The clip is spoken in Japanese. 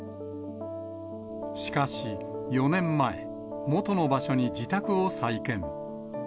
しかし４年前、元の場所に自宅を再建。